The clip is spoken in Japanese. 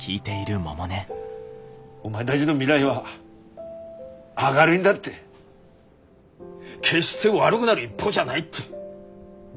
お前だぢの未来は明るいんだって決して悪ぐなる一方じゃないって